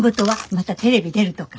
またテレビ出るとか。